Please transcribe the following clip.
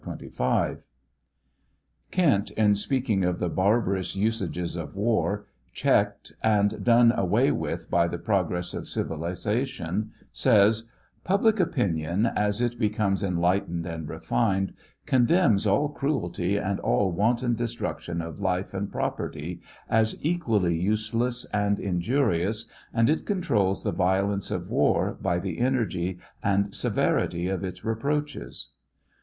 ■ Kent, in speaking of the barbarous usages of war, checked and done away with by the progress of civilization, says : "Public opinion, as it becomes enlightened and refined, condemns all cruelty and all wantori destruction of life and property as equally useless and injurious, and it controls the violence of war, by the energy and severity of its reproaches."